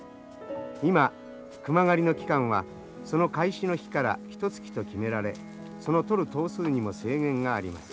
今熊狩りの期間はその開始の日からひとつきと決められその取る頭数にも制限があります。